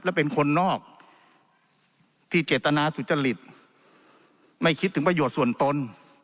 และเป็นคนนอกที่เจตนาสุจริตไม่คิดถึงประโยชน์ส่วนตน